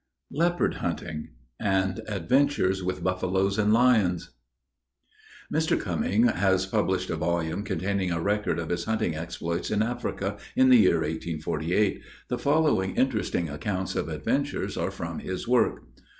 LEOPARD HUNTING. AND ADVENTURES WITH BUFFALOES AND LIONS. Mr. Cumming has published a volume containing a record of his hunting exploits in Africa, in the year 1848. The following interesting accounts of adventures are from his work.